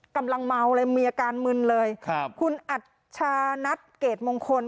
กำลังเมาเลยมีอาการมึนเลยครับคุณอัชชานัทเกรดมงคล